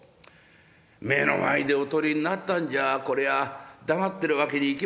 目の前でおとりになったんじゃこりゃ黙ってるわけにいきませんね。